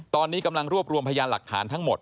ตอนนี้กำลังรวบรวมพยานหลักฐานทั้งหมด